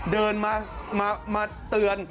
เดินมาเตือน